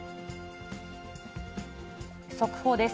速報です。